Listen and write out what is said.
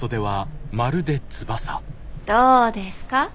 どうですか？